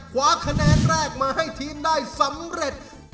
คว้าคะแนนแรกมาให้ทีมได้สำเร็จ